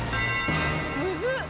むずっ！